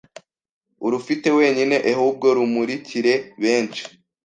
urufite wenyine ehubwo rumurikire benshi